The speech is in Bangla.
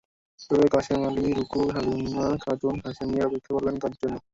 তবে কাশেম আলী, রুকু, হালিমা খাতুন, হাশেম মিয়ারা অপেক্ষা করবেন কাজের জন্য।